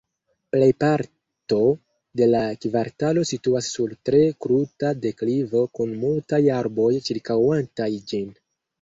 Plejparto de la kvartalo situas sur tre kruta deklivo kun multaj arboj ĉirkaŭantaj ĝin.